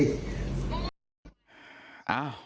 ค่ะ